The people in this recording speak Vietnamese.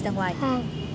con ngồi đây tí nhé